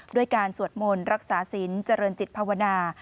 ด้วยการสวดมนต์รักษาศิลป์เจริญจิตภาวนา